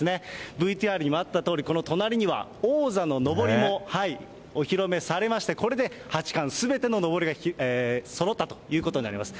ＶＴＲにもあったとおり、この隣には王座ののぼりもお披露目されまして、これで八冠全てののぼりがそろったということになります。